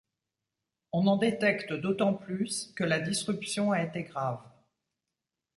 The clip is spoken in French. On en détecte d'autant plus que la disruption a été grave.